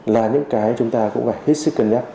là những cái chúng ta cũng phải hết sức cân nhắc